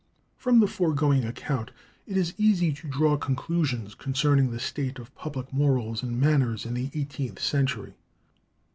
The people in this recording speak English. From the foregoing account it is easy to draw conclusions concerning the state of public morals and manners in the eighteenth century.